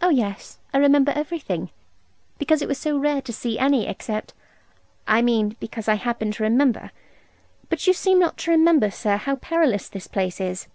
'Oh, yes, I remember everything; because it was so rare to see any except I mean because I happen to remember. But you seem not to remember, sir, how perilous this place is.'